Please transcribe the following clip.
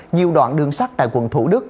nhiều đoạn đường sắt tại quận thủ đức